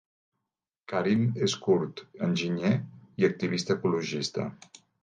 Karim és kurd, enginyer i activista ecologista.